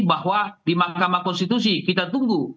bahwa di mahkamah konstitusi kita tunggu